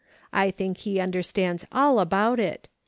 I think he understands all about it.